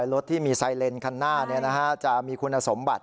รถที่มีไซเลนคันหน้าจะมีคุณสมบัติ